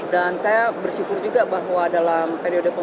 dan saya bersyukur juga bahwa dalam periode komandonya